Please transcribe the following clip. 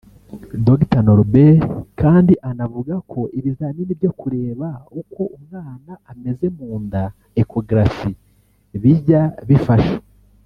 Dr Norbert kandi anavuga ko ibizamini byo kureba uko umwana ameze mu nda [ Echography ]bijya bifasha